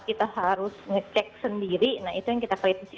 kita harus ngecek sendiri nah itu yang kita kritisi